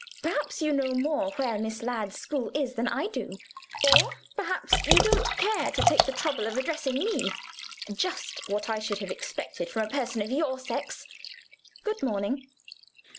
Perhaps you know no more where Miss Ladd's school is than I do? or, perhaps, you don't care to take the trouble of addressing me? Just what I should have expected from a person of your sex! Good morning."